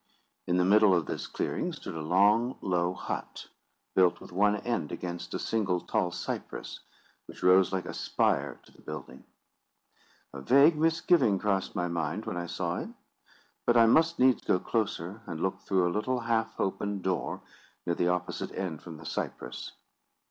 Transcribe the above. In the middle of this clearing stood a long, low hut, built with one end against a single tall cypress, which rose like a spire to the building. A vague misgiving crossed my mind when I saw it; but I must needs go closer, and look through a little half open door, near the opposite end from the cypress.